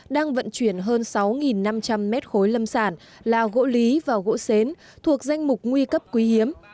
đang vận chuyển hơn sáu năm trăm linh mét khối lâm sản là gỗ lý và gỗ xến thuộc danh mục nguy cấp quý hiếm